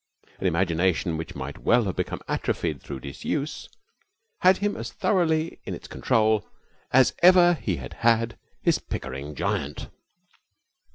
An imagination which might well have become atrophied through disuse had him as thoroughly in its control as ever he had had his Pickering Giant.